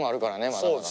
まだまだ。